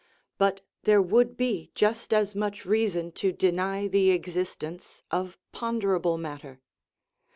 But there would be just as much reason to deny the existence of pon derable matter.